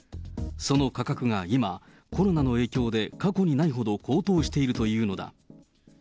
その価格が今、コロナの影響で過去にないほど高騰しているというのだ。